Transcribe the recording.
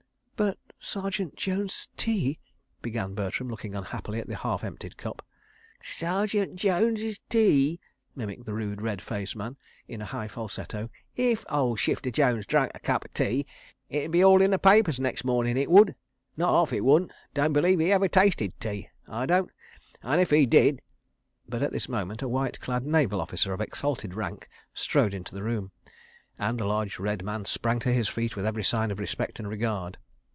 "But—Sergeant Jones's tea" began Bertram, looking unhappily at the half emptied cup. "Sergeant Jones's tea!" mimicked the rude red man, in a high falsetto. "If ole Shifter Jones drunk a cup o' tea it'd be in all the paipers nex' mornin', it would. Not arf it wouldn't. Don' believe 'e ever tasted tea, I don't, an' if he did—" But at this moment a white clad naval officer of exalted rank strode into the room, and the large red man sprang to his feet with every sign of respect and regard.